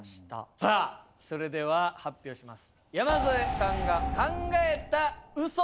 さあそれでは発表します。